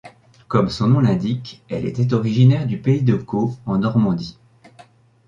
Comme son nom l'indique, elle était originaire du pays de Caux, en Normandie.